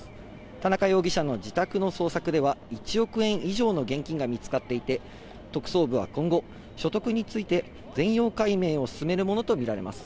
田中容疑者の自宅の捜索では、１億円以上の現金が見つかっていて、特捜部は今後、所得について全容解明を進めるものと見られます。